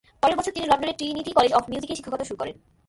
পরের বছর তিনি লন্ডনের ট্রিনিটি কলেজ অব মিউজিকে শিক্ষকতা শুরু করেন।